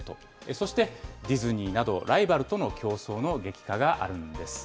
そして、ディズニーなど、ライバルとの競争の激化があるんです。